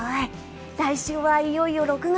来週はいよいよ６月。